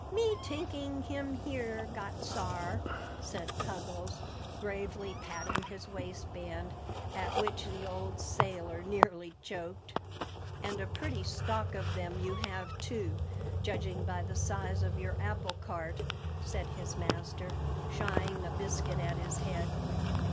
"Me tinking him here got, sar," said Puggles, gravely patting his waistband, at which the old sailor nearly choked. "And a pretty stock of them you have, too, judging by the size of your apple cart!" said his master, shying a biscuit at his head.